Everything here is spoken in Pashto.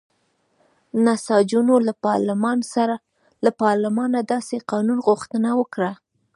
نساجانو له پارلمانه داسې قانون غوښتنه وکړه.